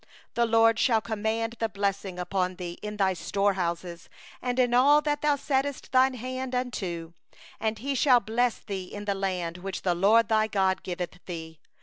8The LORD will command the blessing with thee in thy barns, and in all that thou puttest thy hand unto; and He will bless thee in the land which the LORD thy God giveth thee.